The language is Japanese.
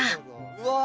うわ！